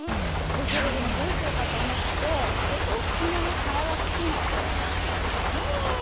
でそれでもうどうしようかと思ってちょっとおっきめのサラダスピナーで何かやったんですよ。